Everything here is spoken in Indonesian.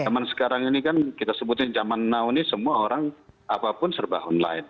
zaman sekarang ini kan kita sebutnya zaman now ini semua orang apapun serba online